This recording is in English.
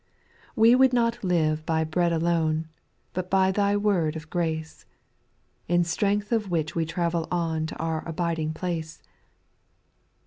SPIRITUAL SONGS. HIS 3. We would not live by bread alone, But by Thy word of grace, In strength of which we travel on To c ur abiding place.